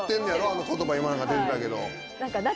あの言葉今出てたけど。